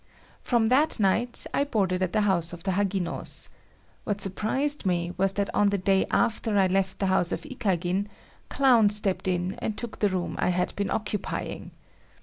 From that night I boarded at the house of the Haginos. What surprised me was that on the day after I left the house of Ikagin, Clown stepped in and took the room I had been occupying.